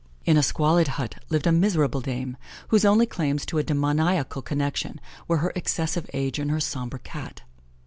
In a squalid hut lived a miserable dame, whose only claims to a demoniacal connection were her excessive age and her sombre Cat.